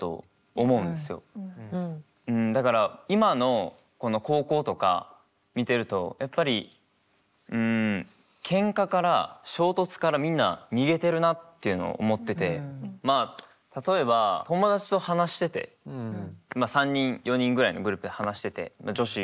だから今の高校とか見てるとやっぱりうんケンカから衝突からみんな逃げてるなっていうのを思っててまあ例えば友達と話してて３人４人ぐらいのグループで話してて女子も交ぜたグループで。